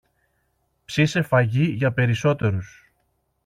Ψήσε φαγί για περισσότερους